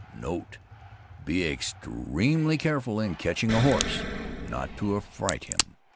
NOTE. Be extremely careful in catching a horse, not to affright him.